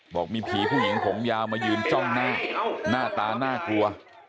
บอกมีผีผู้หญิงผมยาวมายืนจ้องหน้าตาน่ากลัว